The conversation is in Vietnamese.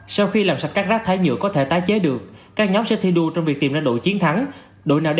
sau khi làm sạch các rác thái nhựa có thể tái chế được các nhóm sẽ thi đua